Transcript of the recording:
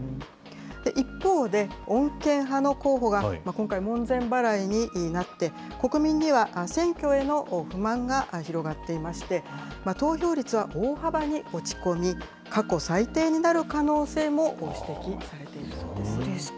一方で、穏健派の候補が今回門前払いになって、国民には選挙への不満が広がっていまして、投票率は大幅に落ち込み、過去最低になる可能性も指摘されているそうです。